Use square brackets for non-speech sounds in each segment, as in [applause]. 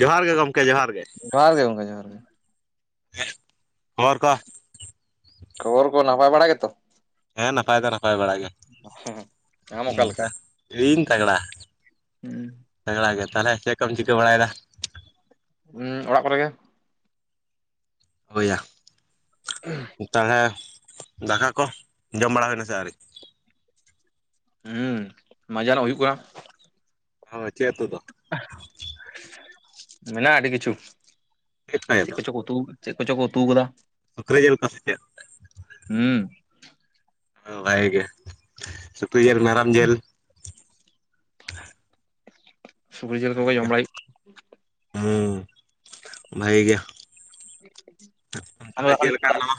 ᱡᱚᱦᱟᱨ ᱜᱮ ᱜᱚᱢᱠᱮ ᱡᱚᱦᱟᱨ ᱜᱮ ᱾ ᱡᱚᱦᱟᱨ ᱜᱮ ᱜᱚᱢᱠᱮ ᱡᱚᱦᱟᱨ ᱜᱮ ᱾ ᱦᱮᱸ [unintelligible] ᱠᱷᱚᱵᱚᱨ ᱠᱚ ᱱᱟᱯᱟᱭ ᱵᱟᱲᱟ ᱜᱮᱛᱚ? ᱦᱮᱸ ᱱᱟᱯᱟᱭ ᱫᱚ ᱱᱟᱯᱟᱭ ᱵᱟᱲᱟ ᱜᱮᱭᱟ ᱾ ᱟᱢ ᱦᱩᱸ, ᱚᱠᱟ ᱞᱮᱠᱟ? ᱵᱟᱦ ᱠᱩᱴᱷᱤᱱ ᱛᱟᱜᱽᱲᱟ ᱦᱩᱸ ᱾ ᱛᱟᱜᱽᱲᱟ ᱜᱮ, ᱛᱟᱦᱞᱮ ᱪᱮᱫ ᱠᱚᱢ ᱪᱤᱠᱟᱹ ᱵᱟᱲᱟᱭᱮᱫᱟ? ᱚᱸ, ᱚᱲᱟᱜ ᱠᱚᱨᱮ ᱜᱮ ᱾ ᱳᱭᱟ [unintelligible] ᱛᱟᱦᱞᱮ [inaudible] ᱫᱟᱠᱟ ᱠᱚ ᱡᱚᱢ ᱵᱟᱲᱟ ᱦᱳᱭ ᱮᱱᱟ ᱥᱮ ᱟᱹᱣᱨᱤ? ᱦᱚᱸᱻ ᱢᱟᱡᱟᱱᱚᱜ ᱦᱩᱭᱩᱜ ᱠᱟᱱᱟ ᱾ [unintelligible] ᱪᱮᱜ ᱩᱛᱩ ᱫᱚ? ᱢᱮᱱᱟᱜ-ᱟ ᱟᱹᱰᱤ ᱠᱤᱪᱷᱩ, ᱪᱮᱫ ᱠᱚᱪᱚ ᱠᱚ ᱩᱛ ᱛᱩ ᱪᱮᱜ ᱠᱚᱪᱚ ᱠᱚ ᱩᱛᱩ ᱟᱠᱟᱫᱟ ᱾ ᱥᱩᱠᱨᱤ ᱡᱮᱞ ᱠᱚ ᱥᱮ ᱪᱮᱫ? ᱦᱚᱸᱻ ᱳ ᱵᱷᱟᱜᱮ ᱜᱮ, ᱥᱩᱠᱨᱤ ᱡᱮᱞ ᱢᱮᱨᱚᱢ ᱡᱮᱞ ᱥᱩᱠᱨᱤ ᱡᱤᱞ ᱠᱚᱜᱮ ᱵᱷᱟᱜᱮ ᱡᱚᱢ ᱜᱮ ᱵᱟᱲᱟᱭ ᱾ ᱦᱩᱸ, ᱵᱷᱟᱜᱮ ᱜᱮ ᱾ ᱛᱟᱦᱞᱮ ᱦᱩᱭᱩᱜ ᱪᱮᱫ ᱟᱢ ᱞᱮᱠᱟ ᱢᱮᱱᱟᱢᱟ?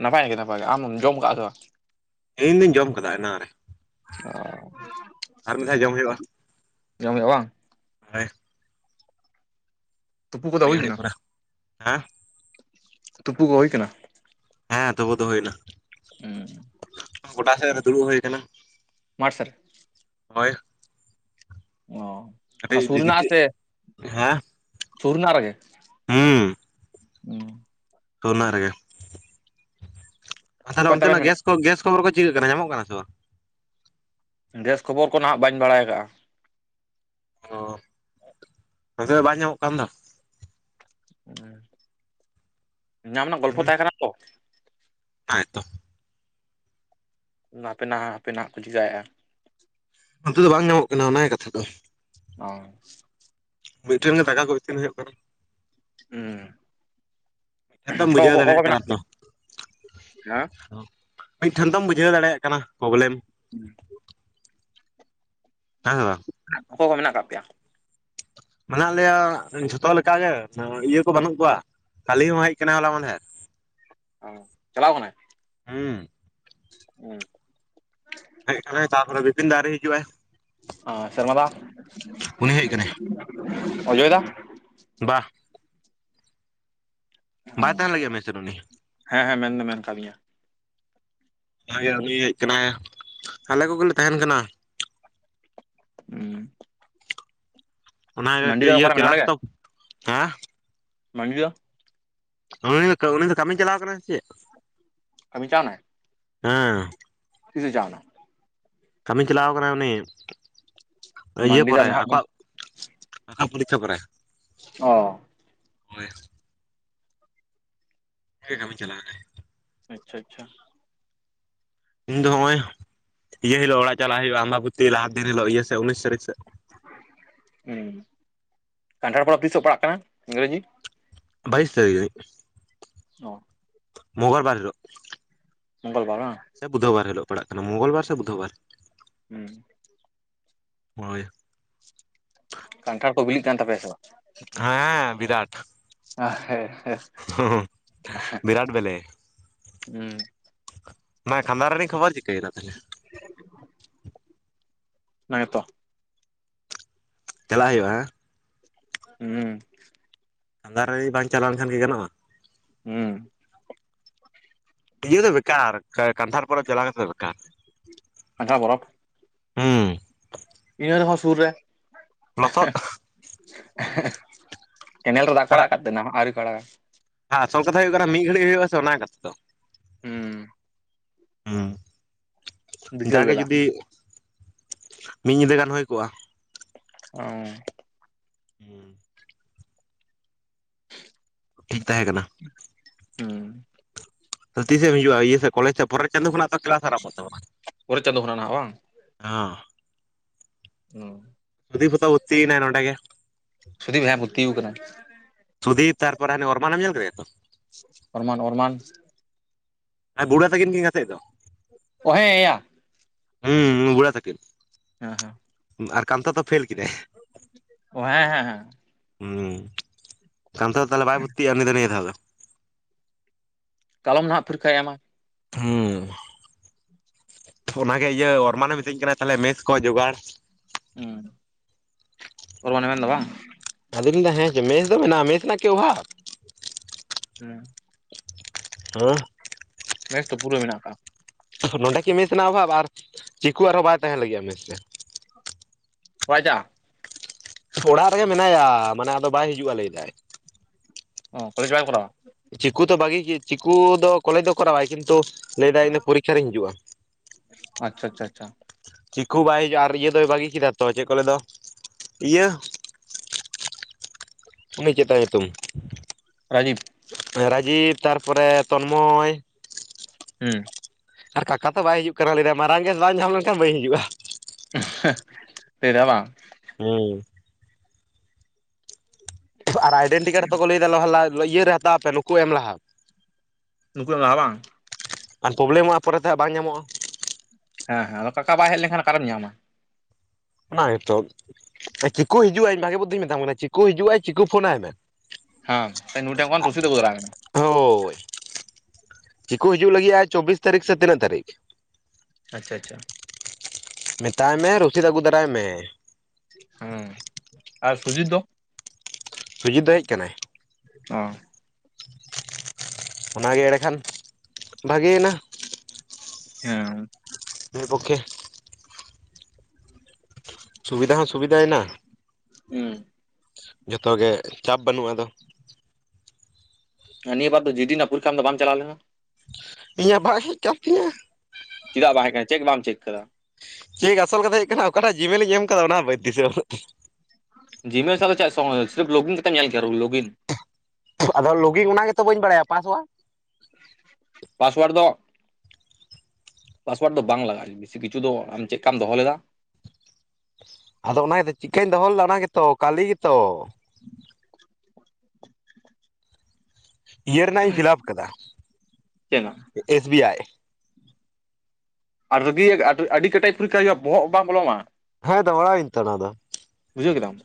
ᱱᱟᱯᱟᱭ ᱜᱮ ᱱᱟᱯᱟᱭ ᱜᱮ, ᱟᱢ ᱮᱢ ᱡᱚᱢ ᱟᱠᱟᱜᱼᱟ ᱥᱮ ᱵᱟᱝ? ᱤᱧ ᱫᱩᱧ ᱡᱚᱢ ᱟᱠᱟᱫᱟ ᱮᱱᱟᱝ ᱨᱮ ᱾ ᱟᱨ ᱢᱤᱫ ᱫᱷᱟᱣ ᱡᱚᱢ ᱦᱳᱭᱳᱜᱼᱟ ᱾ [inaudible] ᱡᱚᱢᱮᱜᱼᱟ ᱵᱟᱝ ᱛᱩᱯᱩ ᱠᱚᱫᱚ ᱢᱤᱜ ᱦᱩᱭ ᱜᱷᱟᱹᱲᱤ ᱠᱟᱱᱟ ᱯᱚᱨᱮ ᱾ᱦᱮᱸ ᱾ ᱛᱩᱯᱩ ᱠᱚ ᱦᱩᱭ ᱟᱠᱟᱱᱟ? ᱦᱮᱸ ᱛᱳᱯᱳ ᱫᱚ ᱦᱳᱭ ᱮᱱᱟ ᱾ ᱦᱮᱸᱻ ᱜᱚᱰᱟ ᱥᱮᱜ ᱨᱮ ᱫᱩᱲᱩᱵ ᱦᱳᱭ ᱟᱠᱟᱱᱟ ᱾ ᱢᱟᱴᱷ ᱥᱮᱫ ᱨᱮ ᱦᱳᱭ ᱾ ᱚ ᱾ ᱚᱱᱟ ᱥᱩᱨ ᱠᱟᱹᱴᱤᱡ ᱨᱮᱱᱟᱜ ᱜᱤᱛᱤᱡ ᱥᱮ ᱦᱮᱸ ᱥᱩᱨ ᱨᱮᱱᱟᱜ ᱨᱮᱜᱮ ᱾ ᱚᱸᱻ ᱥᱳᱨ ᱨᱮᱱᱟᱜ ᱨᱮᱜᱮ ᱾ ᱟᱨ ᱛᱟᱦᱞᱮ ᱚᱠᱚᱭ ᱛᱟᱵᱮᱱ ᱚᱱᱛᱮᱱᱟᱜ ᱢᱮᱱᱟᱜ ᱜᱮᱥ ᱠᱚ ᱜᱮᱥ ᱠᱷᱚᱵᱚᱨ ᱠᱚ ᱪᱤᱠᱟᱹᱜ ᱠᱟᱱᱟ ᱧᱟᱢᱚᱜ ᱠᱟᱱᱟ ᱥᱮ ᱵᱟᱝ? ᱜᱮᱥ ᱠᱷᱚᱵᱚᱨ ᱠᱚ ᱱᱟᱦᱟᱜ ᱵᱟᱧ ᱵᱟᱲᱟᱭ ᱟᱠᱟᱜᱼᱟ᱾ ᱚ ᱾ ᱱᱚᱛᱮ ᱵᱟᱭ ᱧᱟᱢᱚᱜ ᱠᱟᱱ ᱫᱚ ᱾ ᱚᱸᱻ, ᱧᱟᱢ ᱨᱮᱱᱟᱜ ᱜᱚᱞᱯᱷᱚ ᱛᱟᱦᱮ ᱠᱟᱱᱟ ᱛᱚ᱾ ᱱᱟᱭ ᱛᱚ ᱱᱟᱯᱮᱱᱟᱜ ᱦᱟᱯᱮᱱᱟᱜ ᱠᱚ ᱪᱤᱠᱟᱭᱮᱜᱼᱟ ᱚᱱᱛᱮ ᱫᱚ ᱵᱟᱝ ᱧᱟᱢᱚᱜ ᱠᱟᱱᱟ ᱚᱱᱟ ᱜᱮ ᱠᱟᱛᱷᱟ ᱫᱚ ᱾ ᱚ [unintelligible] ᱢᱤᱫᱴᱷᱮᱱ ᱜᱮ ᱫᱟᱠᱟ ᱠᱚ ᱤᱥᱤᱱ ᱦᱩᱭᱩᱜ ᱠᱟᱱᱟ ᱾ ᱦᱩᱸ ᱛᱚᱢ ᱵᱩᱡᱷᱟᱹᱣ ᱫᱟᱲᱮᱭᱟᱜ ᱠᱟᱱᱟ ᱢᱮᱱᱟᱜ ᱛᱚ ᱯᱮᱭᱟ ᱦᱮᱸ ᱢᱤᱫᱴᱷᱮᱱ ᱫᱚᱢ ᱵᱩᱡᱷᱟᱹᱣ ᱫᱟᱲᱮᱭᱟᱜ ᱠᱟᱱᱟ ᱯᱚᱵᱞᱮᱢᱼᱼ ᱦᱩᱸ [inaudible] [unintelligible] ᱚᱠᱚᱭ ᱠᱚ ᱢᱮᱱᱟᱜ ᱠᱟᱜ ᱯᱮᱭᱟ ᱾ ᱢᱮᱱᱟᱜ ᱞᱮᱭᱟ ᱡᱷᱚᱛᱚ ᱞᱮᱠᱟ ᱜᱮ ᱤᱭᱟᱹ ᱠᱚ ᱵᱟᱹᱱᱩᱜ ᱠᱚᱣᱟ ᱠᱟᱞᱤ ᱦᱚᱸ ᱦᱮᱡ ᱠᱟᱱᱟᱭ ᱦᱚᱞᱟ ᱢᱟᱫᱷᱮᱨ ᱾ ᱚ ᱪᱟᱞᱟᱣ ᱠᱟᱱᱟᱭ ᱦᱩᱸ ᱩᱸ ᱾ ᱦᱮᱡ ᱠᱟᱱᱟᱭ ᱛᱟᱨᱯᱚᱨᱮ ᱵᱤᱯᱤᱱ ᱫᱚ ᱟᱭᱨᱤ ᱦᱤᱡᱩᱜᱼᱟᱭ ᱾ ᱚ ᱥᱮᱨᱢᱟ ᱫᱟ, ᱩᱱᱤ ᱦᱮᱡ ᱠᱟᱱᱟᱭ ᱚᱡᱚᱭ ᱫᱟ, ᱵᱟᱦ ᱵᱟᱭ ᱛᱟᱦᱮᱱ ᱞᱟᱜᱤᱫ ᱢᱮᱥ ᱨᱮ ᱩᱱᱤ ᱾ ᱦᱮᱸ ᱦᱮᱸ ᱢᱮᱱ ᱫᱚ ᱢᱮᱱ ᱠᱟᱜ ᱞᱤᱧᱟᱹ ᱾ ᱩᱱᱤᱭ ᱦᱮᱡ ᱠᱟᱱᱟᱭ, ᱟᱞᱮ ᱠᱚᱜᱮᱞᱮ ᱛᱟᱦᱮᱱ ᱠᱟᱱᱟ ᱾ ᱩᱸᱻ ᱚᱱᱟ ᱜᱮ ᱫᱚ ᱤᱭᱟᱹ ᱚᱠᱟᱨᱮ ᱢᱮᱱᱟᱭᱟ ᱠᱮᱞᱟᱥ ᱫᱚ ᱦᱮᱸ? ᱢᱟᱜᱤᱭᱟ ᱩᱱᱤ ᱫᱚ ᱠᱟᱹᱢᱤ ᱪᱟᱞᱟᱣ ᱠᱟᱱᱟᱭ ᱥᱮ ᱪᱮᱫ? ᱠᱟᱹᱢᱤ ᱪᱟᱣ ᱱᱟᱭ? ᱦᱮᱸ [unintelligible] ᱠᱟᱹᱢᱤ ᱪᱟᱞᱟᱣ ᱠᱟᱱᱟᱭ ᱩᱱᱤ, ᱛᱟᱹᱤᱭᱟᱹ ᱢᱟᱱᱰᱤ ᱫᱟ ᱯᱚᱨᱮ ᱱᱟᱦᱟᱜ ᱟᱠᱚᱣᱟᱜᱼᱼ ᱯᱷᱟ ᱯᱚᱨᱤᱠᱠᱷᱷᱟᱯ [unintelligible] ᱚ ᱦᱳᱭ [unintelligible] ᱜᱮ ᱠᱟᱹᱢᱤ ᱪᱟᱞᱟᱣᱱᱟ ᱟᱪᱪᱷᱟ, ᱟᱪᱪᱷᱟ, ᱤᱧ ᱫᱚ ᱦᱚᱜᱼᱚᱭ ᱤᱭᱟᱹ ᱦᱤᱞᱳᱜ ᱚᱲᱟᱜ ᱪᱟᱞᱟᱜ ᱦᱩᱭᱩᱜᱼᱟ ᱟᱢᱵᱟᱵᱚᱛᱤ ᱞᱟᱦᱟ ᱫᱤᱱ ᱦᱤᱞᱳᱜ ᱤᱭᱟᱹ ᱥᱮ ᱩᱱᱤᱥ ᱛᱟᱹᱨᱤᱠᱷ ᱥᱮᱫ ᱾ ᱦᱩᱸ ᱠᱟᱱᱴᱷᱟᱲ ᱯᱚᱨᱚᱵᱽ ᱛᱤᱥᱚᱜ ᱯᱟᱲᱟᱜ ᱠᱟᱱᱟ ᱤᱝᱨᱮᱡᱤ ᱾ ᱵᱟᱭᱥᱛᱤᱼᱼ ᱚ [unintelligible] ᱢᱚᱝᱜᱚᱞ ᱵᱟᱨ ᱵᱟᱝ ᱥᱮ ᱵᱩᱫᱷᱚ ᱵᱟᱨ ᱦᱤᱞᱳᱜ ᱯᱟᱲᱟᱜ ᱠᱟᱱᱟ ᱢᱚᱝᱜᱚᱞ ᱵᱟᱨ ᱥᱮ ᱵᱩᱫᱷ ᱵᱟᱨ ᱦᱮᱸ ᱦᱳᱭ ᱠᱟᱱᱴᱷᱟᱲ ᱠᱚ ᱵᱤᱞᱤᱜ ᱠᱟᱱ ᱛᱟᱯᱮᱭᱟ ᱥᱮ ᱵᱟᱝ? ᱟᱸ ᱵᱤᱨᱟᱴ ᱦ ᱦᱮᱸᱮᱸ [unintelligible] ᱵᱨᱟᱴ ᱵᱮᱞᱮ, ᱦᱮᱸ ᱚᱱᱟ ᱠᱷᱟᱺᱫᱟ ᱨᱟᱱᱤ ᱠᱷᱚᱵᱚᱨ ᱪᱤᱠᱟᱹᱭᱮᱱᱟ ᱛᱟᱦᱚᱞᱮᱼᱼ ᱦᱮᱸ ᱛᱚᱼᱼ ᱪᱟᱞᱟᱜ ᱦᱩᱭᱩᱜᱼᱟ ᱦᱮᱸ ᱦᱩᱸ ᱟᱸᱫᱷᱟᱨᱟᱨ ᱵᱟᱝ ᱪᱟᱞᱟᱣ ᱞᱮᱱᱟᱱ ᱜᱮ ᱜᱟᱱᱚᱜᱼᱟ᱾ ᱦᱮᱸ ᱛᱤᱭᱩᱠ ᱫᱚ ᱵᱮᱠᱟᱨ ᱠᱟᱱᱴᱷᱟᱲ ᱯᱚᱨᱚᱵᱽ ᱪᱟᱞᱟᱣ ᱠᱟᱛᱮᱫ ᱫᱚ ᱵᱮᱠᱟᱨ ᱾ ᱟᱪᱪᱷᱟ [unintelligible] ᱦᱩᱸ [unintelligible] ᱥᱩᱨ ᱨᱮ ᱞᱚᱥᱚᱫ ᱠᱮᱱᱮᱞ ᱨᱮ ᱫᱟᱜ ᱠᱚ ᱟᱲᱟᱜ ᱟᱠᱟᱛᱮ ᱚᱱᱟ ᱦᱚᱸ ᱟᱣᱨᱤ ᱠᱚ ᱚᱲᱟᱜᱼᱼ ᱦᱮᱸ ᱥᱚᱵ ᱠᱟᱛᱷᱟ ᱦᱩᱭᱩᱜ ᱠᱟᱱᱟ ᱢᱤᱫ ᱜᱷᱟᱟᱹᱲᱤᱡ ᱦᱩᱭᱩᱜᱼᱟ ᱥᱮ ᱚᱱᱟ ᱠᱟᱛᱷᱟ ᱫᱚ ᱾ ᱦᱩᱸ ᱦᱩᱸ ᱵᱤᱠᱮᱞ ᱵᱮᱞᱟ ᱜᱟᱜᱮ ᱡᱩᱫᱤᱼᱼ ᱢᱤᱫ ᱧᱤᱫᱟᱹ ᱜᱟᱱ ᱦᱩᱭ ᱠᱚᱜᱼᱟ ᱾ ᱚ [unintelligible] ᱚᱸ ᱴᱷᱤᱠ ᱛᱟᱦᱮᱸ ᱠᱟᱱᱟ ᱾ ᱦᱮᱸ [unintelligible] ᱛᱤᱥᱮ ᱮᱢ ᱦᱤᱡᱩᱜᱼᱟ ᱤᱭᱟᱹ ᱥᱮ ᱠᱚᱮᱡᱽ ᱥᱮ ᱯᱚᱨᱮᱨ ᱪᱟᱸᱫᱚ ᱠᱷᱚᱱᱟᱜᱚ ᱠᱮᱞᱟᱥ ᱟᱨᱟᱢᱵᱷᱚᱜ ᱛᱵᱚᱱᱟ ᱾ ᱯᱚᱨᱮ ᱪᱟᱸᱫᱚ ᱠᱷᱚᱱᱟᱸᱜ ᱵᱟᱝ ᱦᱚᱸ [unintelligible] ᱩᱫᱷᱤᱯᱚᱛᱚ ᱵᱷᱩᱛᱛᱤ ᱭᱮᱱᱟᱭ ᱱᱚᱸᱰᱮ ᱜᱮ ᱾ ᱥᱩᱫᱷᱤᱯ ᱱᱟᱭ ᱵᱷᱚᱛᱛᱤ ᱟᱠᱟᱱᱟ ᱾ ᱥᱩᱫᱤᱯ ᱛᱟᱨᱯᱚᱨᱮ ᱦᱟᱱᱤ ᱚᱨᱢᱟᱱᱮᱢ ᱧᱮᱞ ᱟᱠᱟᱫ ᱫᱮᱭᱟ ᱛᱚ ᱾ ᱚᱨᱢᱟᱱ ᱚᱨᱢᱟᱱ ᱦᱮ ᱵᱩᱲᱟᱹ ᱛᱟᱹᱠᱤᱱ ᱠᱤᱱ ᱜᱟᱛᱮᱫ ᱫᱚ ᱾ ᱚ ᱦᱮᱸ ᱮᱭᱟ [unintelligible] ᱦᱩᱸ ᱵᱩᱲᱟ ᱛᱟᱠᱤᱱ ᱦ ᱦᱮ [unintelligible] ᱟᱨ ᱠᱟᱱᱛᱷᱟ ᱛᱚ ᱯᱷᱮᱞ ᱠᱮᱫᱟᱭ᱾ ᱚᱸ ᱦᱮᱸ ᱦᱮᱸ ᱦᱮᱸ ᱾ ᱦᱩᱸ [unintelligible] ᱛᱟᱦᱚᱞᱮ ᱵᱟᱭ ᱵᱷᱩᱨᱛᱤᱜᱼᱟ, ᱩᱱᱤ ᱫᱚ ᱱᱤᱭᱟᱹ ᱫᱷᱟᱣ ᱫᱚ ᱾ ᱠᱟᱞᱚᱢ ᱱᱟᱦᱟᱜ ᱯᱷᱚᱨᱤᱠᱟᱭ ᱮᱢᱟ᱾ ᱦᱩᱸᱻ ᱾ ᱚᱱᱟᱜᱮ ᱤᱭᱟᱹ ᱚᱨᱢᱟᱱᱮ ᱢᱤᱛᱟᱹᱧ ᱠᱟᱱᱟ ᱛᱟᱦᱚᱞᱮ ᱢᱮᱥ ᱠᱚ ᱡᱚᱜᱟᱲ ᱾ ᱦᱩᱸ ᱚᱨᱢᱟᱱᱮ ᱢᱮ ᱫᱚ ᱵᱟᱝ ᱾ ᱟᱫᱚᱧ ᱞᱟᱹᱭ ᱫᱟ ᱦᱮᱸ ᱪᱮ ᱢᱮᱥ ᱫᱚ ᱢᱮᱱᱟᱜᱼᱟ ᱢᱮᱥ ᱨᱮᱱᱟᱜ ᱠᱤ ᱚᱵᱦᱟᱵ ᱾ ᱦᱮᱸ ᱾ ᱦᱳ ᱾ ᱢᱮᱥ ᱛᱚ ᱯᱩᱨᱟᱹ ᱢᱮᱱᱟᱜ ᱠᱟᱜ-ᱟ ᱾ ᱱᱚᱸᱰᱮ ᱠᱤ ᱢᱮᱥ ᱨᱮᱱᱟ ᱚᱵᱷᱟᱵ ᱟᱨ ᱪᱤᱠᱩ ᱟᱨᱦᱚᱸ ᱵᱟᱭ ᱛᱟᱦᱮᱱ ᱞᱟᱹᱜᱤᱫᱼᱟ ᱢᱮᱥ ᱨᱮ᱾ ᱚᱠᱟᱭ ᱪᱟᱜᱼᱟ ᱾ ᱚᱲᱟᱜ ᱨᱮᱜᱮ ᱢᱮᱱᱟᱭᱟ ᱢᱟᱱᱮ ᱟᱫᱚ ᱵᱟᱭ ᱦᱤᱡᱩᱜᱼᱟ ᱞᱟᱹᱭ ᱫᱟᱭ᱾ ᱚ ᱠᱚᱞᱮᱡ ᱵᱟᱭ ᱠᱚᱨᱟᱣᱟ ᱾ ᱪᱤᱠᱩ ᱫᱚ ᱵᱷᱟᱹᱜᱤ ᱜᱤ ᱪᱤᱠᱩ ᱫᱚ ᱠᱚᱞᱮᱡᱽ ᱫᱚ ᱠᱚᱨᱟᱣᱟᱭ ᱠᱤᱱᱛᱩ ᱞᱟᱹᱭ ᱫᱟᱭ ᱤᱧ ᱫᱚ ᱯᱚᱨᱤᱠᱠᱷᱟ ᱨᱤᱧ ᱦᱤᱡᱩᱜᱼᱟ᱾ ᱟᱪᱪᱷᱟ ᱟᱪᱪᱷᱟ ᱟᱪᱪᱷᱟ ᱾ ᱪᱤᱠᱩ ᱵᱟᱭ ᱦᱩᱡᱩᱜᱼᱟ ᱟᱨ ᱤᱭᱟᱹ ᱫᱚᱭ ᱵᱟᱹᱜᱤ ᱠᱮᱫᱟ ᱛᱚ ᱪᱮᱫ ᱠᱚ ᱞᱟᱹᱭ ᱫᱚ ᱤᱭᱟᱹ ᱩᱱᱤ ᱪᱮᱜᱛᱟᱭ ᱧᱩᱛᱩᱢ? ᱨᱟᱡᱤᱯ, ᱨᱟᱡᱤᱯ ᱛᱟᱨ ᱯᱚᱨ ᱛᱚᱱᱢᱚᱭ, ᱦᱮᱸ ᱾ ᱟᱨ ᱠᱟᱠᱟ ᱛᱚ ᱵᱟᱭ ᱦᱤᱡᱩᱜ ᱠᱟᱱᱟ ᱞᱟᱹᱭᱟ ᱢᱟᱨᱟᱝ ᱜᱮᱥ ᱵᱟᱝ ᱧᱟᱢ ᱞᱮᱱᱠᱷᱟᱱ ᱵᱟᱹᱧ ᱦᱤᱡᱩᱜᱼᱟ᱾ [unintelligible] ᱞᱟᱹᱭ ᱫᱟᱭ ᱵᱟᱝ ᱾ ᱦᱮᱸ ᱟᱨ ᱟᱡ ᱰᱮᱱᱴᱤ ᱠᱟᱲ ᱛᱮᱠᱚ ᱞᱟᱹᱭ ᱫᱟ ᱞᱟᱦᱟ ᱞᱟᱦᱟ ᱤᱭᱟᱹᱨᱮ ᱦᱟᱛᱟᱣ ᱯᱮ ᱱᱩᱠᱩ ᱮᱢ ᱞᱟᱦᱟ᱾ ᱱᱩᱠᱩ ᱞᱟᱦᱟ ᱵᱟᱝ? ᱟᱨ ᱯᱨᱚᱵᱞᱮᱢ ᱦᱟᱸᱜ ᱯᱚᱨᱮ ᱛᱮ ᱦᱟᱸᱜ ᱵᱟᱝ ᱧᱟᱢᱚᱜᱼᱟ᱾ ᱦᱮᱸ ᱦᱮᱸ, ᱟᱫᱚ ᱠᱟᱠᱟ ᱵᱟᱭ ᱦᱮᱜ ᱞᱮᱠᱷᱟᱱ ᱚᱠᱟᱨᱮᱢ ᱧᱟᱢᱟ? ᱚᱱᱟ ᱜᱮᱛᱚ ᱪᱤᱠᱩ ᱦᱤᱡᱩᱜᱼᱟᱭ ᱤᱧ ᱵᱷᱟᱜᱮ ᱵᱩᱫᱫᱷᱚᱧ ᱢᱮᱛᱟᱢ ᱠᱟᱱᱟ ᱪᱤᱠᱩ ᱦᱤᱡᱩᱜᱼᱟᱭ ᱪᱤᱠᱩ ᱯᱷᱳᱱᱟᱭ ᱢᱮ ᱾ ᱦᱟ ᱱᱩᱭ ᱴᱷᱮᱱ ᱠᱚᱱ ᱨᱚᱥᱤᱫ ᱟᱹᱜᱩ ᱫᱟᱨᱟᱭ ᱢᱮ ᱾ ᱦᱳᱭ ᱪᱤᱠᱩ ᱦᱤᱡᱩᱜ ᱞᱟᱹᱜᱤᱜᱼᱟᱭ, ᱪᱚᱵᱵᱤᱥ ᱛᱟᱹᱨᱤᱠᱷ ᱥᱮ ᱛᱤᱱᱟᱹᱜ ᱛᱟᱹᱨᱤᱠᱷ? ᱟᱪᱪᱷᱟ ᱟᱪᱪᱷᱟ ᱾ ᱢᱮᱛᱟᱭ ᱢᱮ ᱨᱚᱥᱤᱫ ᱟᱹᱜᱩ ᱫᱟᱨᱟᱭ ᱢᱮ ᱾ ᱦᱮᱸ ᱟᱨ ᱥᱩᱡᱤᱛ ᱫᱚ? ᱥᱩᱡᱤᱛ ᱫᱚᱭ ᱦᱮᱡ ᱠᱟᱱᱟᱭ ᱾ ᱚ ᱾ ᱚᱱᱟᱜᱮ ᱮᱸᱲᱮ ᱠᱷᱟᱱ ᱵᱷᱟᱜᱮ ᱭᱮᱱᱟ ᱾ ᱦᱮᱸ ᱾ ᱢᱤᱜ ᱯᱚᱠᱠᱷᱮ ᱥᱩᱵᱤᱫᱷᱟ ᱦᱚᱸ ᱥᱩᱵᱤᱫᱷᱟᱭ ᱱᱟ ᱾ ᱦᱩᱸ ᱾ ᱡᱚᱛᱚ ᱜᱮ ᱪᱟᱯ ᱵᱟᱹᱱᱩᱜᱼᱟ ᱟᱫᱚ ᱾ ᱟᱨ ᱱᱤᱭᱟᱹ ᱵᱟᱨ ᱫᱚ ᱡᱤᱰᱤ ᱨᱮᱱᱟᱜ ᱯᱚᱨᱤᱠᱠᱷᱟ ᱮᱢ ᱫᱚ ᱵᱟᱢ ᱪᱟᱞᱟᱣ ᱞᱮᱱᱟ? ᱤᱧᱟᱹᱜ ᱵᱟᱝ ᱦᱮᱡ ᱠᱟᱱ ᱛᱤᱧᱟ ᱾ ᱪᱮᱫᱟᱜ ᱵᱟᱝ ᱦᱮᱡ ᱠᱟᱱᱟ ᱪᱮᱠ ᱵᱟᱢ ᱪᱮᱠ ᱠᱟᱫᱟ ᱾ ᱪᱮᱫ ᱟᱥᱚᱞ ᱠᱟᱛᱷᱟ ᱦᱩᱭᱩᱜ ᱠᱟᱱᱟ ᱚᱠᱟᱴᱟᱜ ᱡᱤᱢᱮᱞ ᱤᱧ ᱮᱢ ᱠᱟᱫᱟ ᱚᱱᱟᱦᱚ ᱵᱟᱹᱧ ᱫᱤᱥᱟᱹ ᱡᱤᱢᱮᱞ ᱥᱟᱞᱟᱜ ᱪᱮᱜ ᱥᱚᱝ ᱥᱨᱤᱯ ᱞᱚᱜᱤᱱ ᱠᱟᱛᱮᱢ ᱧᱮᱞ ᱠᱮᱭᱟ ᱞᱚᱜᱤᱱ ᱾ ᱟᱫᱚ ᱞᱚᱜᱤᱝ ᱚᱱᱟ ᱜᱮᱛᱚ ᱵᱟᱹᱧ ᱵᱟᱲᱟᱭᱟ ᱯᱟᱥᱳᱣᱟᱲ᱾ ᱯᱟᱥᱳᱣᱟᱲ ᱫᱚ ᱯᱟᱥᱳᱣᱟᱨᱰ ᱫᱚ ᱵᱟᱝ ᱞᱟᱜᱟᱜ-ᱟ ᱵᱮᱥᱤ ᱠᱤᱪᱷᱩ ᱫᱚ ᱟᱢ ᱪᱮᱫ ᱠᱟᱢ ᱫᱚᱦᱚ ᱞᱮᱫᱟ᱾ ᱟᱫᱚ ᱚᱱᱟ ᱜᱮᱛᱚ ᱪᱮᱫᱠᱟᱹᱧ ᱫᱚᱦᱚ ᱞᱮᱫᱟ ᱚᱱᱟ ᱜᱮᱛᱚ ᱠᱟᱞᱤ ᱜᱮᱛᱚ᱾ ᱤᱭᱟᱹ ᱨᱮᱱᱟᱜ ᱤᱧ ᱯᱷᱤᱞᱟᱯ ᱠᱟᱫᱟ ᱪᱮᱫᱱᱟᱜ ᱮᱥ ᱵᱤ ᱟᱭ᱾ ᱟᱹᱰᱤ ᱨᱟᱹᱜᱤ ᱟᱹᱰᱤ ᱠᱟᱮᱴᱮᱡ ᱯᱚᱨᱤᱠᱠᱷᱟ ᱦᱩᱭᱩᱜ-ᱟ ᱵᱚᱦᱚᱜ ᱵᱟᱝ ᱵᱚᱞᱚᱣᱟᱢᱟ᱾ ᱦᱮᱸ ᱛᱚ ᱵᱟᱲᱟᱭ ᱤᱧᱛᱚ ᱚᱱᱟ ᱫᱚ᱾ ᱵᱩᱡᱟᱹᱣ ᱠᱮᱫᱟᱢ᱾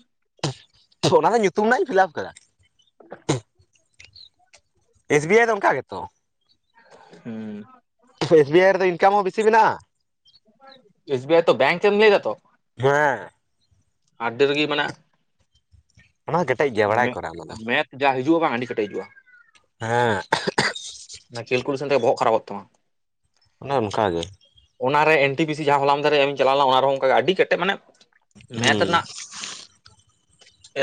ᱚᱱᱟ ᱫᱚ ᱧᱩᱛᱩᱢ ᱨᱮᱱᱟᱜ ᱤᱧ ᱯᱷᱤᱞᱟᱯ ᱟᱠᱟᱫᱟ᱾ ᱮᱥ ᱵᱤ ᱟᱭ ᱫᱚ ᱚᱱᱠᱟ ᱜᱮᱛᱚ᱾ ᱦᱩᱸ᱾ ᱮᱥ ᱵᱤ ᱟᱭ ᱨᱮᱫᱚ ᱤᱱᱠᱟᱢ ᱦᱚᱸ ᱵᱮᱥᱤ ᱢᱮᱱᱟᱜ-ᱟ᱾ ᱮᱥ ᱵᱤ ᱟᱭ ᱛᱚ ᱵᱮᱝᱠ ᱮᱢ ᱞᱟᱹᱭ ᱫᱟᱛᱚ᱾ ᱦᱮᱸ᱾ ᱟᱹᱰᱤ ᱨᱟᱹᱜᱤ ᱢᱟᱱᱮ᱾ ᱚᱱᱟ [unintelligible] ᱢᱮᱛᱷ ᱠᱚᱨᱟ ᱚᱱᱟ ᱫᱚ ᱢᱮᱛᱷ ᱡᱟ ᱦᱤᱡᱩᱜ-ᱟ ᱵᱟᱝ ᱟᱹᱰᱤ ᱠᱮᱴᱮᱡ ᱦᱤᱡᱩᱜ-ᱟ᱾ ᱦᱮᱸ᱾ ᱚᱱᱟ ᱠᱮᱠᱩᱞᱮᱥᱮᱱ ᱛᱮᱜᱮᱢ ᱵᱚᱦᱚᱜ ᱠᱷᱟᱨᱯᱚᱜ ᱛᱟᱢᱟ᱾ ᱚᱱᱮ ᱚᱱᱠᱟᱜᱮ᱾ ᱚᱱᱟᱨᱮ ᱮᱱᱴᱤ ᱵᱤᱥᱤ ᱡᱟᱦᱟᱸ ᱦᱚᱞᱟᱢᱫᱷᱟᱨᱮ ᱤᱧ ᱪᱟᱞᱟᱣ ᱞᱮᱱᱟ ᱚᱱᱟ ᱨᱮᱦᱚᱸ ᱚᱱᱠᱟᱜᱮ ᱟᱹᱰᱤ ᱠᱮᱴᱮᱡ ᱢᱟᱱᱮ ᱢᱮᱛᱷ ᱦᱩᱸ ᱨᱮᱱᱟᱜ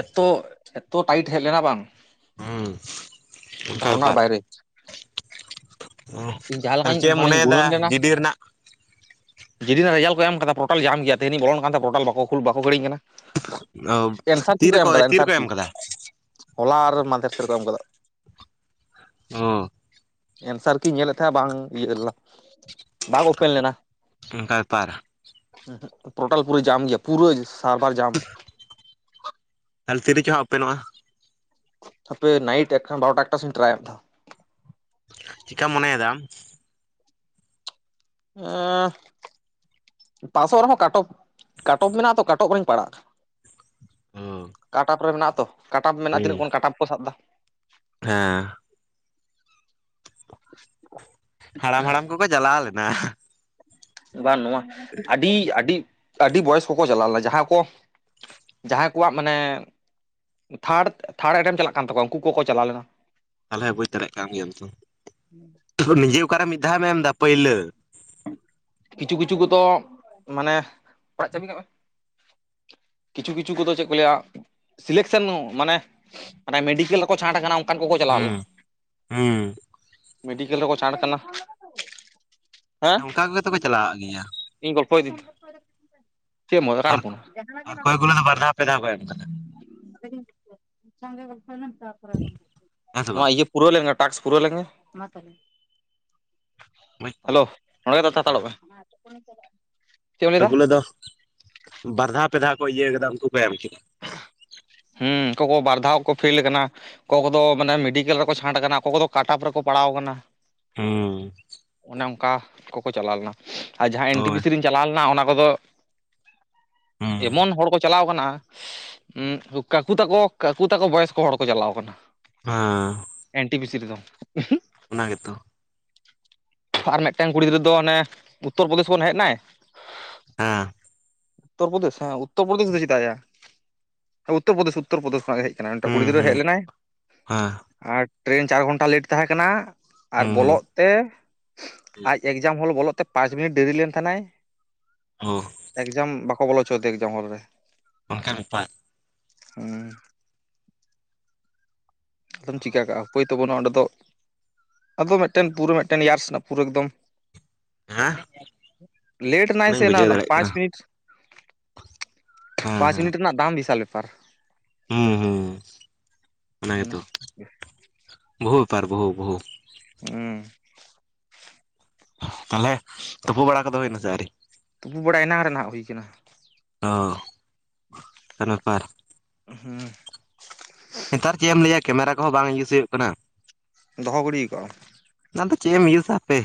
ᱮᱛᱚ ᱮᱛᱚ ᱴᱟᱭᱤᱴ ᱦᱮᱡ ᱞᱮᱱᱟ ᱵᱟᱝ᱾ ᱦᱩᱸ ᱚᱱᱠᱟ ᱵᱮᱯᱟᱨ ᱫᱷᱟᱨᱚᱱᱟᱨ ᱵᱟᱭᱨᱮ᱾ ᱤᱧ ᱡᱟᱦᱟᱸ ᱛᱟᱦᱚᱞᱮ ᱞᱮᱠᱟᱧ ᱪᱮᱫ ᱮᱢ ᱢᱟᱱᱮᱧ ᱢᱚᱱᱮᱭᱮᱫᱟ ᱜᱩᱱᱟᱹᱱ ᱞᱮᱱᱟ᱾ ᱜᱤᱰᱤ ᱨᱮᱱᱟᱜ ᱡᱮᱫᱤᱱ ᱨᱮᱱᱟᱜ ᱨᱮᱡᱟᱞᱴ ᱠᱚ ᱮᱢ ᱟᱠᱟᱫᱟ ᱴᱳᱨᱴᱟᱞ ᱡᱟᱢ ᱜᱮᱭᱟ ᱛᱮᱦᱮᱱ ᱤᱧ ᱵᱚᱞᱚᱱ ᱠᱟᱱ ᱛᱟᱦᱮᱸᱱᱟ ᱵᱟᱠᱚ ᱵᱟᱠᱚ ᱠᱷᱮᱲᱤᱧ ᱠᱟᱱᱟ᱾ ᱚ ᱮᱱᱥᱟᱨ ᱠᱤ ᱠᱚ ᱮᱢ ᱛᱤᱨᱮᱠᱚ ᱟᱠᱟᱫᱟ ᱮᱱᱥᱟᱨ ᱛᱤᱨᱮᱠᱚ ᱠᱤ ᱮᱢ ᱠᱟᱫᱟ ᱦᱚᱞᱟ ᱟᱨ ᱢᱟᱫᱷᱮᱨ ᱠᱚ ᱮᱢ ᱠᱟᱫᱟ᱾ ᱚ ᱮᱱᱥᱟᱨ ᱠᱤᱧ ᱧᱮᱞᱮᱫ ᱛᱟᱦᱮᱸᱱᱟ ᱵᱟᱝ ᱤᱭᱟᱹ ᱞᱮᱱᱟ᱾ ᱵᱟᱝ ᱳᱯᱮᱱ ᱞᱮᱱᱟ᱾ ᱚᱱᱠᱟ ᱵᱮᱯᱟᱨ ᱯᱳᱨᱴᱟᱞ ᱯᱩᱨᱟᱹ ᱡᱟᱢ ᱜᱮᱭᱟ ᱯᱩᱨᱟᱹ ᱥᱟᱨᱵᱷᱟᱨ ᱡᱟᱢ᱾ [unintelligible] ᱛᱟᱦᱮ ᱛᱤ ᱨᱮᱪᱚ ᱦᱟᱜ ᱳᱯᱮᱱᱚᱜ-ᱟ᱾ ᱦᱟᱯᱮ ᱱᱟᱭᱤᱴ ᱮᱠᱷᱟᱱ ᱵᱟᱨᱚᱴᱟ ᱮᱠᱴᱟ ᱥᱚᱢᱚᱭᱤᱧ ᱴᱮᱨᱟᱭᱟ᱾ ᱪᱤᱠᱠᱟᱢ ᱢᱚᱱᱮᱭᱮᱫᱟ ᱟᱢ᱾ ᱟᱹᱻ ᱯᱟᱥᱚᱜ ᱨᱮᱦᱚᱸ ᱠᱟᱴᱚᱯ ᱠᱟᱴᱚᱯ ᱢᱮᱱᱟᱜ-ᱟ ᱛᱚ ᱠᱟᱴᱚᱯ ᱨᱮᱧ ᱯᱟᱲᱟᱜ-ᱟ᱾ ᱚ ᱠᱟᱴᱟᱯ ᱨᱮ ᱢᱮᱱᱟᱜ ᱟᱛᱚ ᱠᱟᱴᱟᱯ ᱢᱮᱱᱟᱜ-ᱟ ᱦᱩᱸ ᱛᱤᱱᱟᱹᱜ ᱠᱷᱚᱱ ᱠᱟᱴᱟᱯ ᱠᱚ ᱥᱟᱵ ᱮᱫᱟ᱾ ᱦᱮᱸ᱾ [unintelligible] ᱦᱟᱲᱟᱢ ᱦᱟᱲᱟᱢ ᱠᱚᱠᱚ ᱪᱟᱞᱟᱣ ᱞᱮᱱᱟ᱾ ᱵᱟᱝ ᱱᱚᱣᱟ ᱟᱹᱰᱤ ᱟᱹᱰᱤ ᱟᱹᱰᱤ ᱵᱚᱭᱚᱥ ᱠᱚᱠᱚ ᱪᱟᱞᱟᱣ ᱞᱮᱱᱟ ᱡᱟᱦᱟᱸ ᱠᱚ ᱡᱟᱦᱟᱸᱭ ᱠᱚᱣᱟᱜ ᱢᱟᱱᱮ ᱛᱷᱟᱨᱰ ᱛᱷᱟᱨᱰ ᱮᱴᱮᱢᱴ ᱪᱟᱞᱟᱜ ᱠᱟᱱ ᱛᱟᱠᱚᱣᱟ ᱩᱱᱠᱩ ᱠᱚᱠᱚ ᱪᱟᱞᱟᱣ ᱞᱮᱱᱟ᱾ ᱛᱟᱦᱚᱞᱮ ᱵᱩᱡᱽ ᱫᱟᱲᱮᱭᱟᱜ ᱠᱟᱱ ᱜᱮᱭᱟᱢ ᱛᱚ ᱱᱤᱡᱮ ᱚᱠᱟᱨᱮ ᱢᱤᱫ ᱫᱷᱟᱣ ᱮᱢ ᱮᱫᱟ ᱯᱟᱹᱭᱞᱟᱹ᱾ ᱠᱤᱪᱷᱩ ᱠᱤᱪᱷᱩ ᱠᱚᱛᱚ ᱢᱟᱱᱮ ᱚᱲᱟᱜ ᱪᱟᱵᱤ ᱠᱟᱜ ᱢᱮ᱾ ᱠᱤᱪᱷᱩ ᱠᱤᱪᱷᱩ ᱠᱚᱫᱚ ᱪᱮᱫ ᱠᱚ ᱞᱟᱹᱭᱟ ᱥᱤᱞᱮᱠᱥᱮᱱ ᱢᱟᱱᱮ ᱢᱮᱰᱤᱠᱮᱞ ᱨᱮᱠᱚ ᱪᱷᱟᱴ ᱟᱠᱟᱱᱟ᱾ ᱚᱱᱠᱟᱱ ᱠᱚᱠᱚ ᱪᱟᱞᱟᱣ ᱦᱩᱸ ᱞᱮᱱᱟ ᱦᱩᱸ ᱢᱮᱰᱤᱠᱮᱞ ᱨᱮᱠᱚ ᱪᱷᱟᱴ ᱟᱠᱟᱱᱟ᱾ ᱦᱮᱸ ᱚᱱᱠᱟ ᱜᱮᱛᱚ ᱠᱚ ᱪᱟᱟᱞᱟᱜ-ᱟ ᱜᱮᱭᱟ᱾ ᱤᱧ ᱜᱚᱞᱯᱚ ᱫᱤᱧ ᱪᱮᱫ ᱮᱢ ᱚᱞᱟ ᱟᱨ ᱚᱠᱟᱨᱮᱢ ᱯᱷᱳᱱᱟ᱾ ᱟᱨ ᱚᱠᱚᱭ ᱜᱩᱞᱳ ᱫᱚ ᱵᱟᱨ ᱫᱷᱟᱣ ᱯᱮ ᱫᱷᱟᱣ ᱠᱚ ᱮᱢ ᱠᱟᱫᱟ [unintelligible] ᱦᱮᱸ ᱥᱮ ᱵᱟᱝ ᱯᱩᱨᱹᱣ ᱞᱮᱱᱜᱮ ᱴᱟᱠᱥ ᱯᱩᱨᱹᱣ ᱞᱮᱱᱜᱮ ᱢᱟ ᱛᱟᱦᱞᱮ ᱵᱩᱡᱽ ᱫᱟᱢ ᱦᱮᱞᱳ ᱱᱚᱲᱮ ᱜᱮ ᱛᱟᱸᱦᱟ ᱦᱟᱛᱚᱲᱚᱜ ᱢᱮ ᱪᱮᱫ ᱮᱢ ᱠᱚᱭᱮᱠ ᱞᱟᱹᱭᱫᱟ ᱜᱩᱞᱟᱹ ᱫᱚ ᱵᱟᱨᱫᱷᱟ ᱯᱮᱫᱷᱟ ᱠᱚ ᱤᱭᱟᱹ ᱠᱟᱫᱟ ᱩᱱᱠᱩ ᱠᱚ ᱮᱢ ᱠᱮᱫᱼᱟ ᱦᱩᱸ ᱚᱠᱚᱭ ᱠᱚ ᱵᱟᱨ ᱫᱷᱟᱣ ᱠᱚ ᱯᱷᱮᱞ ᱠᱟᱱᱟ ᱚᱠᱚᱭ ᱠᱚᱫᱚ ᱢᱟᱱᱮ ᱢᱮᱰᱤᱠᱮᱞ ᱨᱮᱠᱚ ᱪᱷᱟᱴ ᱠᱟᱱᱟ ᱚᱠᱚᱭ ᱠᱚᱫᱚ ᱠᱟᱴᱚᱯ ᱨᱮᱠᱚ ᱯᱟᱲᱟᱣ ᱠᱟᱱᱟ ᱦᱩ ᱚᱱᱮ ᱚᱱᱠᱟ ᱠᱚᱠᱚ ᱪᱟᱞᱟᱣ ᱞᱮᱱᱟ ᱟᱨ ᱡᱟᱦᱟᱸ ᱮᱱ ᱴᱤ ᱯᱤ ᱦᱳᱭ ᱥᱤ ᱨᱤᱧ ᱪᱟᱞᱟᱣ ᱞᱮᱱᱟ ᱚᱱᱟ ᱠᱚᱫᱚ ᱦᱩᱸ ᱮᱢᱚᱱ ᱦᱚᱲ ᱠᱚ ᱪᱟᱞᱟᱣ ᱠᱟᱱᱟ ᱩᱜ ᱠᱟᱠᱩ ᱛᱟᱠᱚ ᱠᱟᱠᱩ ᱛᱟᱠᱚ ᱵᱚᱭᱚᱥ ᱠᱚ ᱦᱚᱲ ᱠᱚ ᱪᱟᱞᱟᱣ ᱠᱟᱱᱟ ᱦᱮᱸ ᱮᱱ ᱴᱤ ᱯᱤ ᱥᱤ ᱨᱮᱫᱚ ᱩᱦᱩᱜ ᱚᱱᱟ ᱜᱮᱛᱚ ᱟᱨ ᱢᱤᱫᱴᱮᱱ ᱠᱩᱲᱤ ᱜᱤᱫᱽᱨᱟᱹ ᱫᱚ ᱚᱱᱮ ᱩᱛᱛᱚᱨᱯᱨᱚᱫᱮᱥ ᱠᱷᱚᱱ ᱦᱮᱡ ᱱᱟᱭ ᱦᱮᱸ ᱩᱛᱛᱚᱨᱯᱚᱫᱮᱥ ᱦᱮᱸ ᱩᱛᱚᱨᱯᱨᱚᱫᱮᱥ ᱫᱚ ᱪᱮᱫᱟᱜ ᱭᱟ ᱦᱮ ᱩᱛ ᱩᱛᱛᱚᱨᱯᱨᱚᱫᱮᱥ ᱩᱛᱛᱚᱨᱯᱨᱚᱫᱮᱥ ᱠᱷᱚᱱᱟᱜ ᱦᱮᱡ ᱠᱟᱱᱟ ᱢᱤᱫᱴᱟᱜ ᱦᱩᱸ ᱠᱩᱲᱤ ᱜᱤᱫᱽᱟᱹ ᱦᱩᱸ ᱦᱮᱡ ᱞᱮᱱᱟᱭ ᱦᱮᱸ ᱟᱨ ᱴᱨᱮᱱ ᱪᱟᱨ ᱜᱷᱚᱱᱴᱟ ᱞᱮᱴ ᱛᱟᱦᱮᱸ ᱠᱟᱱᱟ ᱟᱨ ᱦᱩᱸ ᱵᱚᱞᱚᱜ ᱛᱮ ᱦᱩᱸ ᱟᱡ ᱮᱠᱡᱟᱢ ᱦᱚᱞ ᱵᱚᱞᱚᱜ ᱛᱮ ᱯᱟᱸᱪ ᱢᱤᱱᱤᱴ ᱰᱮᱨᱤ ᱞᱮᱱ ᱛᱟᱦᱮᱱᱟᱭ ᱳ ᱮᱠᱡᱟᱢ ᱵᱟᱠᱚ ᱵᱚᱞᱚ ᱪᱚᱣᱟ ᱫᱮᱭᱟ ᱮᱠᱡᱟᱢ ᱦᱚᱞ ᱨᱮ ᱚᱱᱠᱟᱱ ᱵᱮᱯᱟᱨ ᱦᱩ ᱟᱫᱚᱢ ᱪᱤᱠᱟᱹ ᱠᱟᱜᱼᱟ ᱩᱯᱟᱹᱭ ᱛᱚ ᱵᱟᱱᱩᱜᱼᱟ ᱚᱸᱰᱮ ᱫᱚ ᱟᱫᱚ ᱢᱤᱫᱴᱮᱱ ᱯᱩᱨᱟᱹ ᱢᱤᱫᱴᱮᱱ ᱤᱭᱟᱨᱥ ᱨᱮᱱᱟᱜ ᱯᱩᱨᱟᱹ ᱮᱠᱫᱚᱢ ᱦᱮᱸ ᱞᱮᱴ ᱱᱟ ᱚᱱᱟᱧ ᱥᱮ ᱚᱱᱟ ᱵᱩᱡᱷᱟᱹᱣ ᱚᱱᱟ ᱫᱟᱲᱮᱭᱟᱜ ᱯᱟᱸᱪ ᱠᱟᱱᱟ ᱢᱤᱱᱤᱴ ᱦᱮᱸ ᱯᱟᱸᱪ ᱦᱮᱸ ᱢᱤᱱᱤᱴ ᱨᱮᱱᱟᱜ ᱫᱟᱢ ᱵᱤᱥᱟᱞ ᱵᱮᱯᱟᱨ ᱦᱩᱸ ᱦᱩᱸ ᱚᱱᱟ ᱜᱮᱛᱚ ᱵᱚᱦᱩ ᱵᱮᱯᱟᱨ ᱵᱚᱦᱩ ᱵᱚᱦᱩ ᱩᱸ ᱛᱟᱦᱚᱞᱮ ᱛᱳᱯᱳ ᱵᱟᱲᱟ ᱠᱚᱫᱚ ᱦᱩᱭᱱᱟᱥᱮ ᱟᱹᱣᱨᱤ ᱛᱚᱵᱩ ᱵᱟᱲᱟ ᱮᱱᱟᱝ ᱨᱮ ᱱᱟᱦᱟᱜ ᱦᱩᱭ ᱠᱟᱱᱟ ᱚ ᱚᱱᱠᱟᱱ ᱵᱮᱯᱟᱨ ᱦᱩ ᱱᱮᱛᱟᱨ ᱪᱮᱫ ᱮᱢ ᱞᱟᱹᱭᱟ ᱠᱮᱢᱮᱨᱟ ᱠᱚᱦᱚᱸ ᱵᱟᱝ ᱤᱭᱩᱥ ᱦᱳᱭᱳᱜ ᱠᱟᱱᱟ ᱫᱚᱦᱚ ᱜᱤᱲᱤᱠᱟᱜᱼᱟ ᱟᱫᱚ ᱪᱮᱫ ᱮᱢ ᱤᱭᱩᱥᱟ ᱦᱟᱯᱮ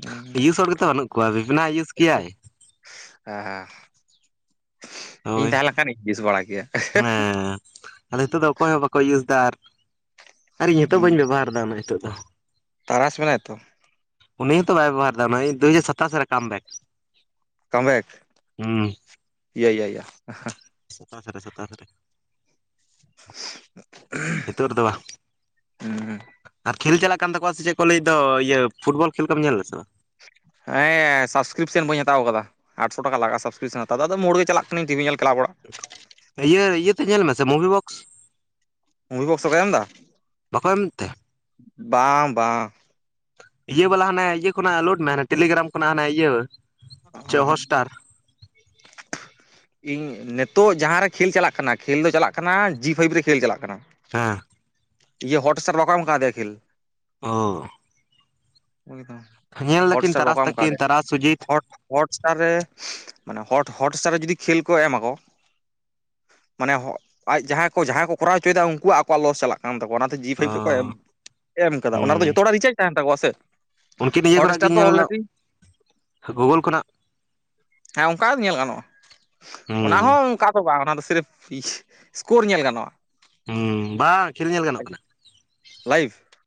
ᱦᱩᱸ ᱤᱭᱩᱥ ᱦᱚᱲ ᱜᱮᱛᱚ ᱵᱟᱱᱩᱜ ᱠᱚᱣᱟ ᱵᱤᱵᱱᱟ ᱤᱭᱩᱥ ᱠᱮᱭᱟᱭ ᱦᱮᱸ ᱦᱮᱸ ᱤᱧ ᱦᱳᱭ ᱛᱟᱦᱮᱸᱞᱮᱱ ᱠᱷᱟᱱᱤᱧ ᱤᱭᱤᱥ ᱵᱟᱲᱟ ᱠᱮᱭᱟ ᱦᱮᱸ ᱟᱫᱚ ᱦᱤᱛᱚᱜ ᱫᱚ ᱚᱠᱚᱭ ᱦᱚᱸ ᱵᱟᱠᱚ ᱤᱭᱩᱥ ᱫᱟ ᱟᱨ ᱤᱧ ᱦᱚᱛᱚ ᱦᱩᱸ ᱵᱟᱹᱧ ᱵᱮᱵᱚᱦᱟᱨ ᱫᱟ ᱚᱱᱟ ᱦᱤᱛᱚᱜ ᱫᱚ ᱛᱟᱨᱟᱥ ᱢᱮᱱᱟᱭᱟ ᱛᱚ ᱩᱱᱤ ᱦᱚᱸᱛᱚ ᱵᱟᱭ ᱵᱮᱵᱚᱦᱟᱨᱫᱟ ᱫᱩ ᱦᱟᱡᱟᱨ ᱥᱟᱛᱟᱥ ᱨᱮ ᱠᱟᱢᱵᱮᱠ ᱠᱢ ᱵᱮᱠ ᱦᱩᱸ ᱤᱭᱟ ᱤᱭᱟ ᱥᱟᱛᱟᱥ ᱨᱮ ᱥᱟᱛᱟᱥ ᱨᱮ [unintelligible] ᱦᱮᱛᱳᱜ ᱨᱮᱫᱚ ᱵᱟᱝ ᱩᱸ ᱟᱨ ᱠᱷᱮᱞ ᱪᱟᱞᱟᱜ ᱠᱟᱱ ᱛᱟᱠᱚᱣᱟ ᱥᱮ ᱪᱮᱫ ᱠᱚ ᱞᱟᱹᱭ ᱫᱚ ᱤᱭᱟᱹ ᱯᱷᱩᱴᱵᱚᱞ ᱠᱷᱮᱞ ᱠᱚᱢ ᱧᱮᱞ ᱫᱟᱥᱮ ᱵᱟᱝ ᱦᱮᱸ ᱥᱟᱵᱥᱠᱨᱤᱯᱥᱮᱱ ᱵᱟᱹᱧ ᱦᱟᱛᱟᱣ ᱠᱟᱫᱟ ᱟᱴᱥᱚ ᱴᱠᱟ ᱞᱟᱜᱼᱟ ᱥᱟᱵᱥᱠᱨᱤᱯᱥᱚᱱ ᱦᱟᱛᱟᱣ ᱫᱚ ᱟᱫᱚ ᱢᱳᱲ ᱜᱮ ᱪᱟᱞᱟᱜ ᱠᱟᱹᱱᱟᱹᱧ ᱴᱤᱵᱷᱤ ᱧᱮᱞ ᱠᱮᱞᱟᱵ ᱚᱲᱟᱜ ᱤᱭᱟᱹ ᱤᱭᱟᱹᱛᱮ ᱧᱮᱞ ᱢᱮᱥᱮ ᱢᱩᱵᱷᱤ ᱵᱚᱠᱥ ᱢᱩᱵᱷᱤ ᱵᱚᱠᱥ ᱨᱮᱠᱚ ᱮᱢ ᱫᱟ? ᱵᱟᱠᱚ ᱮᱢ ᱛᱮ ᱵᱟᱸᱝ ᱵᱟᱸᱝ ᱤᱭᱟᱹ ᱵᱟᱞᱟ ᱦᱟᱱᱮ ᱤᱭᱟᱹ ᱠᱷᱚᱱᱟᱜ ᱞᱳᱰ ᱢᱮ ᱦᱟᱱᱮ ᱴᱮᱞᱤᱜᱮᱨᱟᱢ ᱠᱷᱚᱱᱟᱜ ᱦᱟᱱᱮ ᱤᱭᱟᱹ ᱪᱮᱫ ᱚᱸᱦᱚᱸᱜ ᱦᱚᱥᱴᱟᱨ᱾ ᱤᱧ ᱱᱤᱛᱳᱜ ᱡᱟᱦᱟᱸ ᱨᱮ ᱠᱷᱮᱞ ᱪᱟᱞᱟᱜ ᱠᱟᱱᱟ ᱠᱷᱮᱞ ᱫᱚ ᱪᱟᱞᱟᱜ ᱠᱟᱱᱟ ᱡᱤ-ᱯᱷᱟᱭᱤᱯ ᱨᱮ ᱠᱷᱮᱞ ᱪᱟᱞᱟᱜ ᱠᱟᱱᱟ᱾ ᱦᱮᱸ ᱤᱭᱟᱹ ᱦᱚᱴᱥ-ᱥᱴᱟᱨ ᱨᱮ ᱵᱟᱠᱚ ᱮᱢ ᱟᱠᱟ ᱫᱮᱭᱟ ᱠᱷᱮᱞ᱾ ᱳᱻ ᱩᱱᱤ ᱫᱚ ᱧᱮᱞ ᱫᱟᱹᱠᱤᱱ ᱦᱚᱴᱥᱮᱯ ᱛᱟᱨᱟᱥ ᱵᱟᱠᱚ ᱮᱢ ᱠᱟᱣ ᱛᱟᱹᱠᱤᱱ ᱫᱮᱭᱟ ᱛᱟᱨᱟᱥ ᱥᱩᱡᱤᱛ ᱦᱚᱴᱼᱼ ᱦᱚᱴ ᱥᱴᱟᱨ ᱨᱮ ᱢᱟᱱᱮ ᱦᱚᱴ ᱦᱚᱴᱥ ᱥᱴᱟᱨ ᱨᱮ ᱡᱩᱫᱤ ᱠᱷᱮᱞ ᱠᱚ ᱮᱢ ᱟᱠᱚᱼᱼ ᱢᱟᱱᱮ ᱟᱡ ᱡᱟᱦᱟᱸᱭ ᱠᱚ ᱡᱟᱦᱟᱸᱭ ᱠᱚ ᱡᱚᱨᱟᱣ ᱦᱚᱪᱚᱭᱮᱫᱟ ᱩᱱᱠᱩᱣᱟᱜ ᱟᱠᱚᱣᱟᱜ ᱞᱚᱥ ᱪᱟᱞᱟᱜ-ᱟ᱾ ᱠᱟᱱ ᱛᱟᱠᱚᱣᱟ ᱚᱱᱟᱛᱮ ᱡᱤ ᱚ ᱯᱷᱟᱭᱤᱵᱽ ᱨᱮᱠᱚ ᱮᱢ ᱠᱟᱫᱟ ᱚᱱᱟ ᱨᱮᱫᱚ ᱦᱩᱸ ᱡᱷᱚᱛᱚ ᱦᱚᱲᱟᱜ ᱨᱤᱪᱟᱨᱡᱽ ᱛᱟᱦᱮᱸᱱ ᱛᱟᱠᱚᱣᱟ ᱥᱮ᱾ ᱩᱱᱠᱤᱱ ᱤᱭᱟᱹ ᱠᱷᱚᱱᱟᱜ ᱦᱚᱴᱥᱴᱟᱨ ᱜᱮᱠᱤᱱ ᱫᱚ ᱧᱮᱞᱫᱟ ᱚᱞᱨᱮᱰᱤ ᱜᱩᱜᱳᱞ ᱠᱷᱚᱱᱟᱜ᱾ ᱦᱮᱸ ᱚᱱᱠᱟ ᱧᱮᱞ ᱜᱟᱱᱚᱜ-ᱟ ᱚᱱᱟ ᱦᱩᱸ ᱦᱚᱸ ᱚᱱᱠᱟᱼᱼ ᱫᱚ ᱵᱟᱝ ᱚᱱᱟ ᱫᱚ ᱥᱮᱨᱯ ᱥᱠᱳᱨ ᱧᱮᱞ ᱜᱟᱱᱚᱜ-ᱟ᱾ ᱦᱩᱸ ᱵᱟᱝ ᱠᱷᱮᱞ ᱧᱮᱞ ᱜᱟᱱᱚᱜ-ᱠᱟᱱᱟ᱾ ᱞᱟᱭᱤᱵᱷ?